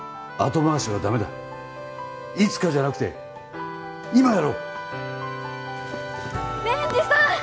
後回しはダメだいつかじゃなくて今やろう蓮司さん！